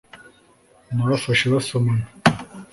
nabafashe basomana